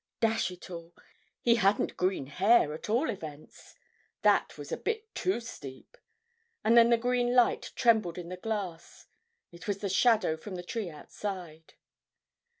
Dash it all, he hadn't green hair at all events. That was a bit too steep. And then the green light trembled in the glass; it was the shadow from the tree outside.